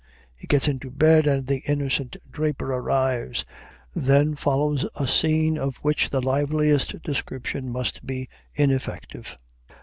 He gets into bed, and the innocent draper arrives. Then follows a scene of which the liveliest description must be ineffective.